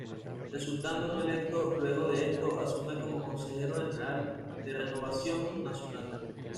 Resultando no electo. Luego de esto, asume como Consejero General de Renovación Nacional.